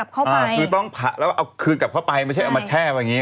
คือต้องผ่าแล้วเอาคืนกลับเข้าไปไม่ใช่เอามาแช่ไว้อย่างนี้